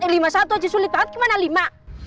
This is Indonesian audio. eh lima satu aja sulit banget gimana lima